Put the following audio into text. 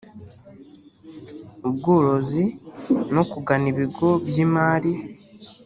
ubworozi no kugana ibigo by’imari